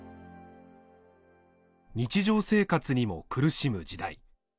日常生活にも苦しむ時代。